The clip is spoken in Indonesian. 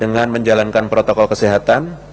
dengan menjalankan protokol kesehatan